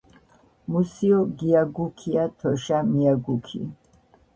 მუსიო გიაგუქია თოშა მიაგუქი